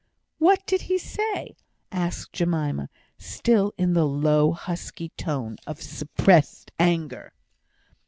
"What did he say?" asked Jemima, still in the low, husky tone of suppressed anger.